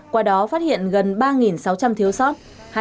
qua đó phát hiện gần ba sáu trăm linh thiếu sót